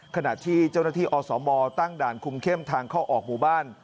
ขณะที่เจ้าหน้าที่อสมตั้งด่านคุมเข้มทางเข้าออกหมู่บ้าน